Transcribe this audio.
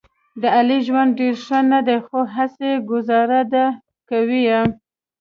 د علي ژوند ډېر ښه نه دی، خو هسې ګوزاره ده کوي یې.